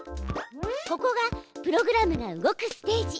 ここがプログラムが動くステージ。